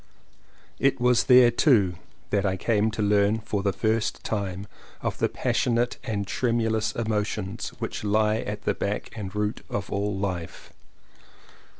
It was there too that I came to learn for the first time of the passionate and tremu lous emotions which lie at the back and root of all life.